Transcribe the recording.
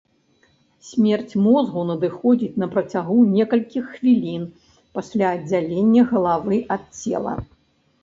Смерць мозгу надыходзіць на працягу некалькіх хвілін пасля аддзялення галавы ад цела.